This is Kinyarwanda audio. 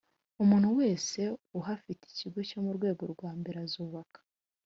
Umuntu wese uhafite ikigo cyo mu rwego rwambere azubaka